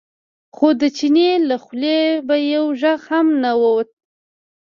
خو د چیني له خولې به یو غږ هم نه ووت.